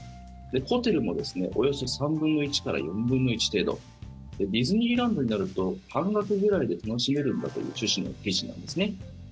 ホテルもおよそ３分の１から４分の１程度ディズニーランドになると半額ぐらいで楽しめるんだという趣旨の記事なんですね。